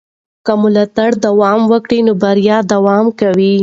که ملاتړ دوام وکړي نو بریا دوام کوي.